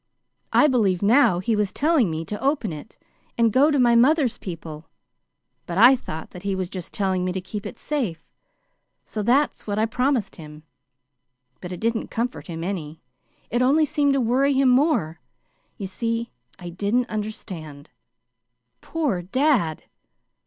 I believe now he was telling me to open it, and go to my mother's people; but I thought then he was just telling me to keep it safe. So that's what I promised him. But it didn't comfort him any. It only seemed to worry him more. You see, I didn't understand. Poor dad!"